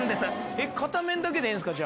片面だけでええんですか？